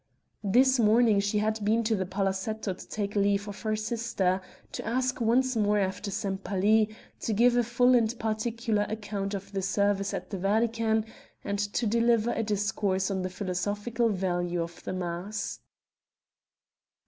This morning she had been to the palazetto to take leave of her sister to ask once more after Sempaly to give a full and particular account of the service at the Vatican and to deliver a discourse on the philosophical value of the mass.